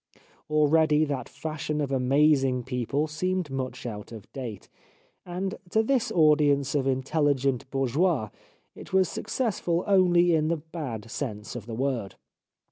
Already that fashion of amazing people seemed much out of date, and to this audience of intelligent bourgeois it was successful only in the bad sense of the word.